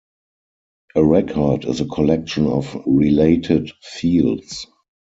A record is a collection of related fields.